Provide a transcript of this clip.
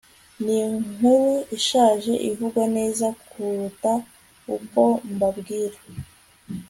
ninkuru ishaje, ivugwa neza kuruta uko mbabwira